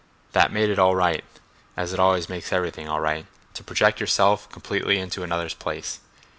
That made it all right—as it always makes everything all right to project yourself completely into another's place.